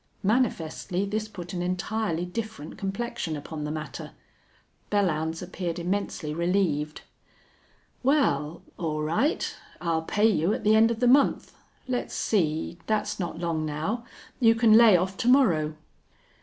Manifestly this put an entirely different complexion upon the matter. Belllounds appeared immensely relieved. "Wal, all right. I'll pay you at the end of the month. Let's see, thet's not long now. You can lay off to morrow."